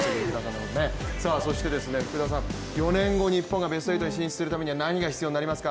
そして、４年後、日本がベスト８に進出するためには何が必要になりますか？